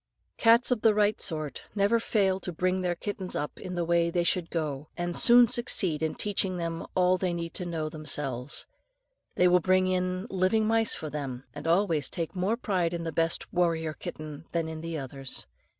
] Cats of the right sort never fail to bring their kittens up in the way they should go, and soon succeed in teaching them all they know themselves. They will bring in living mice for them, and always take more pride in the best warrior kitten than in the others.